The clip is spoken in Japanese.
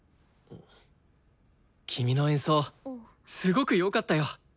君の演奏すごくよかったよ。